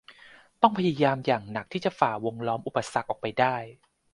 ต้องพยายามอย่างหนักที่จะฝ่าวงล้อมอุปสรรคออกไป